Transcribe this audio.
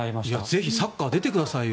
ぜひサッカー出てくださいよ。